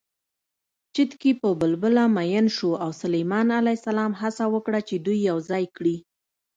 چتکي په بلبله مین شو او سلیمان ع هڅه وکړه چې دوی یوځای کړي